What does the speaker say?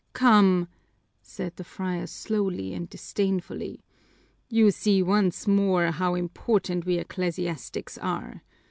"Come," said the friar slowly and disdainfully, "you see once more how important we ecclesiastics are.